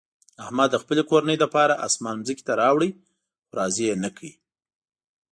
احمد د خپلې کورنۍ لپاره اسمان ځمکې ته راوړ، خو راضي یې نه کړه.